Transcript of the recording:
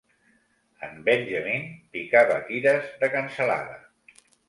En Benjamin picava tires de cansalada.